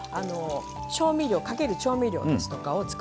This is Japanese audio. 調味料かける調味料ですとかを作っていきましょう。